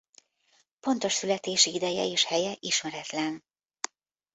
Pontos születési ideje és helye ismeretlen.